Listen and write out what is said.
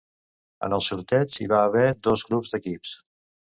En el sorteig, hi va haver dos grups d'equips.